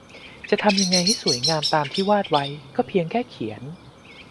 จะทำอย่างไรให้สวยงามตามที่วาดไว้ก็เพียงแค่เขียน